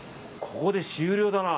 ここで終了だな。